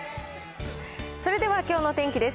それではきょうの天気です。